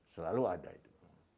selalu ada itu